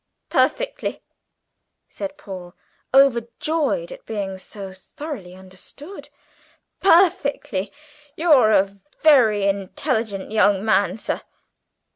"Perfectly," said Paul, overjoyed at being so thoroughly understood, "perfectly. You're a very intelligent young man, sir.